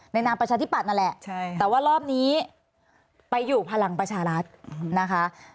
นามประชาธิบัตย์นั่นแหละแต่ว่ารอบนี้ไปอยู่พลังประชารัฐนะคะ